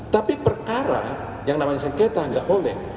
tapi perkara yang namanya sengketa nggak boleh